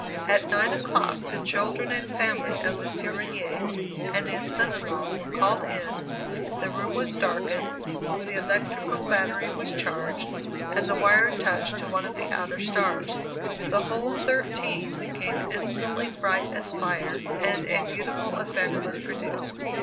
At nine o'clock the children and family of M. Regnier and his son in law were called in, the room was darkened, the electrical battery was charged, and the wire touched to one of the outer stars. The whole thirteen became instantly bright as fire, and a beautiful effect was produced.